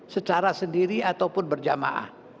secara sendiri ataupun berjamaah